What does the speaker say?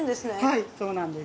はいそうなんです。